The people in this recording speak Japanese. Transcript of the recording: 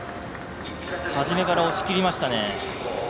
初めから押し切りましたね。